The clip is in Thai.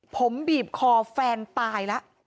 ผมบีบคอแฟนตายแล้ว